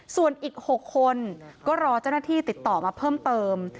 ส่วนอีก๖คนก็รอเจ้าหน้าที่ติดต่อมาเพิ่มเติม